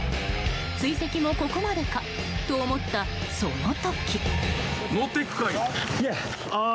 追跡もここまでかと思ったその時。